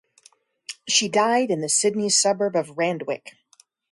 She died in the Sydney suburb of Randwick.